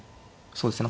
そうですね。